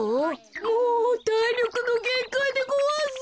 もうたいりょくのげんかいでごわす。